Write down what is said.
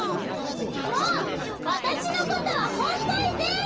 もうわたしのことはほっといて！